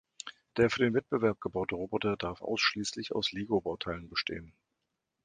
Der für den Wettbewerb gebaute Roboter darf ausschließlich aus Lego-Bauteilen bestehen.